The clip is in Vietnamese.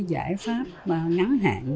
giải pháp ngắn hạn